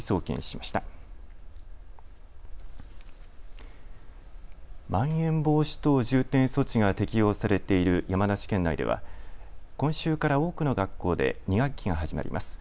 まん延防止等重点措置が適用されている山梨県内では今週から多くの学校で２学期が始まります。